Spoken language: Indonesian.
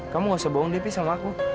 kamu nggak usah bohong deh pi sama aku